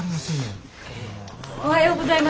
おはようございます。